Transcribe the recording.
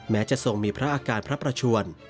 จะทรงมีพระอาการพระประชวน